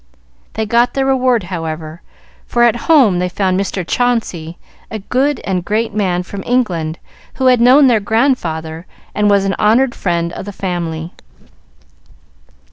They got their reward, however, for at home they found Mr. Chauncey, a good and great man, from England, who had known their grandfather, and was an honored friend of the family.